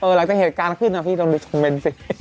เออหลังจากเหตุการณ์ขึ้นนะพี่เราไปคอมเม้นต์สิ